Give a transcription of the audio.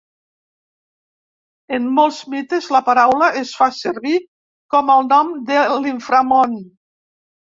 En molts mites la paraula es fa servir com el nom de l'inframon.